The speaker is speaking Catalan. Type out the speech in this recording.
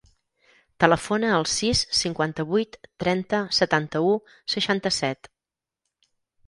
Telefona al sis, cinquanta-vuit, trenta, setanta-u, seixanta-set.